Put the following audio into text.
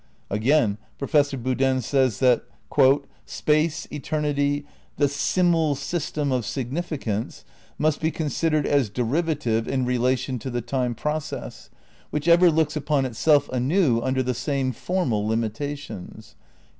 Again, Professor Boodin says that "Space, eternity, the simul system of significance, must be con sidered as derivative in relation to the time process, which ever looks upon itself anew under the same formal limitations."